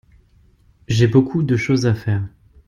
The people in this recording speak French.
J’ai beaucoup de choses à faire.